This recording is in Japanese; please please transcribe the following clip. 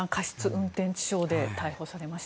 運転致傷で逮捕されました。